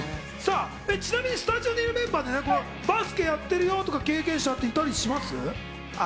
ちなみにスタジオのメンバーでバスケやってるよとか、経験者いたりします？